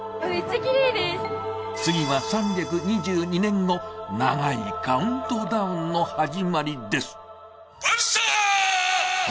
次は３２２年後、長いカウントダウンの始まりです。